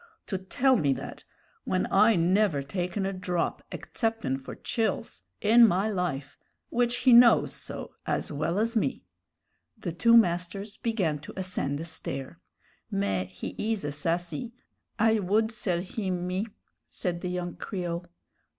to tell me that, when I never taken a drop, exceptin' for chills, in my life which he knows so as well as me!" The two masters began to ascend a stair. "Mais, he is a sassy; I would sell him, me," said the young Creole.